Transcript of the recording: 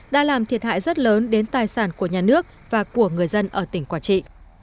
đã làm thiệt hại rất lớn đến tài sản của nhà nước và của người dân ở tỉnh quảng trị